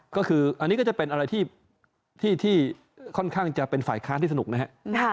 ก็คืออันนี้ก็จะเป็นอะไรที่ค่อนข้างจะเป็นฝ่ายค้านที่สนุกนะฮะ